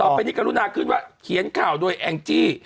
ต่อไปนี่การุนาขึ้นว่าเขียนข่าวด้วยแองจี